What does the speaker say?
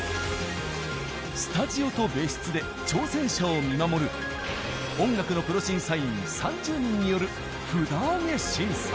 スタジオと別室で挑戦者を見守る音楽のプロ審査員３０人による札上げ審査。